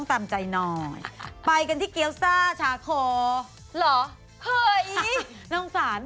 ไปกันที่เกี๊วส์ต้าชาโค